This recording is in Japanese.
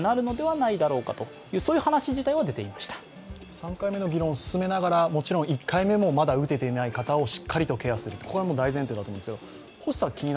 ３回目の議論を進めながらもちろん１回目をまだ打てていない方もしっかりとケアすることは大前提だと思うんです。